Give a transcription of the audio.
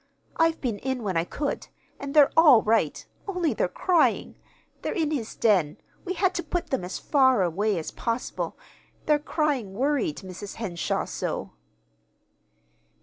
"I've been in when I could, and they're all right, only they're crying. They're in his den. We had to put them as far away as possible their crying worried Mrs. Henshaw so."